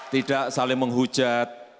tidak saling menghujat